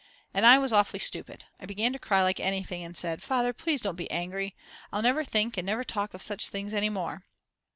And I was awfully stupid, I began to cry like anything and said. "Father, please don't be angry, I'll never think and never talk of such things any more."